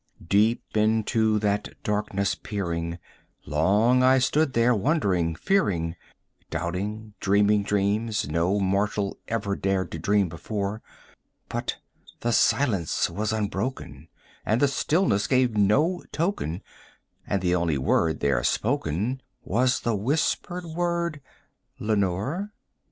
Deep into that darkness peering, long I stood there wondering, fearing, 25 Doubting, dreaming dreams no mortals ever dared to dream before; But the silence was unbroken, and the stillness gave no token, And the only word there spoken was the whispered word, "Lenore?"